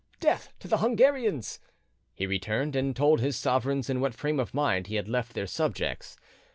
Death to the Hungarians!" he returned and told his sovereigns in what frame of mind he had left their subjects.